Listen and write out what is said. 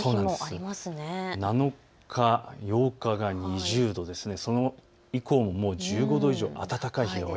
７日、８日が２０度、それ以降も１５度以上、暖かい。